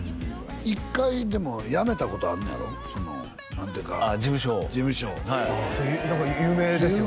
一回でもやめたことあんねやろその何というかああ事務所をはいそれ有名ですよね